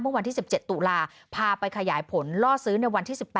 วันที่๑๗ตุลาพาไปขยายผลล่อซื้อในวันที่๑๘